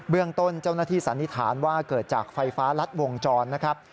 เรื่องต้นเจ้าหน้าที่สันนิษฐานว่าเกิดจากไฟฟ้ารัดวงจรนะครับ